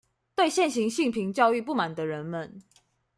對現行性平教育不滿的人們